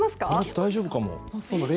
大丈夫かも。